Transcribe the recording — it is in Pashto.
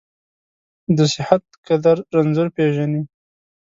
د صحت قدر رنځور پېژني.